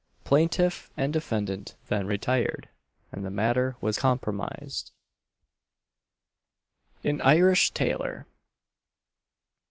Plaintiff and defendant then retired, and the matter was compromised. AN IRISH TAILOR.